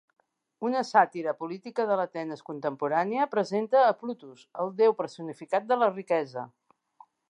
Una sàtira política de l'Atenes contemporània, presenta a Plutus, el déu personificat de la riquesa.